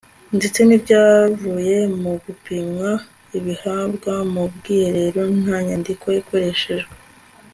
ndetse n'ibyavuye mu gupimwa abihabwa mu bwiherero nta nyandiko ikoreshejwe